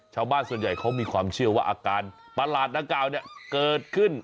ชาวบ้านส่วนใหญ่เขามีความเชื่อว่าอาการประหลาดดังกล่าวเกิดขึ้น